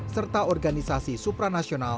serta organisasi supranasionalis